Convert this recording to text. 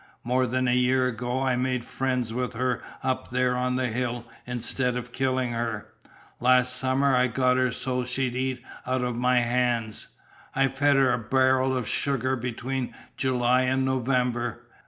"More than a year ago I made friends with her up there on the hill instead of killing her. Last summer I got her so she'd eat out of my hands. I fed her a barrel of sugar between July and November.